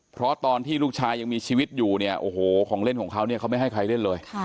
เพราะตอนที่ลูกชายยังมีชีวิตอยู่เนี่ยโอ้โหของเล่นของเขาเนี่ยเขาไม่ให้ใครเล่นเลย